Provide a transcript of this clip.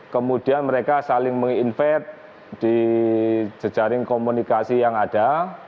kemudian mereka saling menginvest di jaring komunikasi yang ada